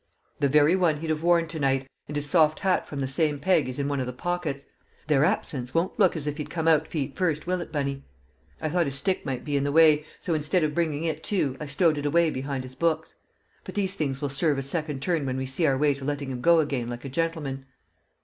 "The very one he'd have worn to night, and his soft hat from the same peg is in one of the pockets; their absence won't look as if he'd come out feet first, will it, Bunny? I thought his stick might be in the way, so instead of bringing it too, I stowed it away behind his books. But these things will serve a second turn when we see our way to letting him go again like a gentleman."